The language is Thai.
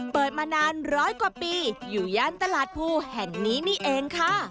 เปิดมานานร้อยกว่าปีอยู่ย่านตลาดภูแห่งนี้นี่เองค่ะ